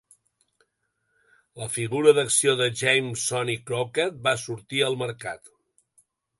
La figura d'acció de James "Sonny" Crockett va sortir al mercat.